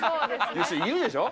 いるでしょ。